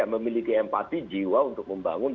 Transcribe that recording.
memiliki empati jiwa untuk membangun